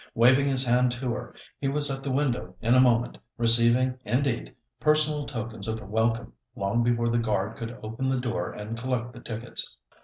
Waving his hand to her, he was at the window in a moment, receiving, indeed, personal tokens of welcome long before the guard could open the door and collect the tickets.